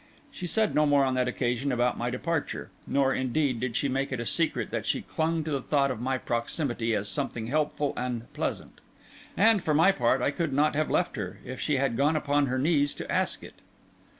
She said no more on that occasion about my departure; nor, indeed, did she make it a secret that she clung to the thought of my proximity as something helpful and pleasant; and, for my part, I could not have left her, if she had gone upon her knees to ask it.